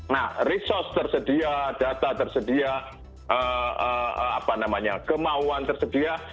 nah resource tersedia data tersedia apa namanya kemauan tersedia